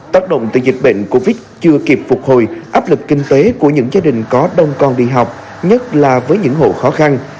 tác động từ dịch bệnh covid chưa kịp phục hồi áp lực kinh tế của những gia đình có đông con đi học nhất là với những hộ khó khăn